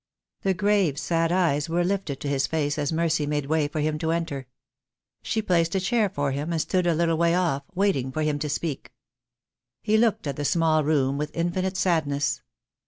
The grave sad eyes were lifted to his face as Mercy made way for him to enter. She placed a chair for him, and stood a little way off, waiting for him to speak, He THE DAY WILL COME. 2 2$ looked at the small room with infinite sadness.